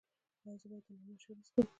ایا زه باید د نعناع چای وڅښم؟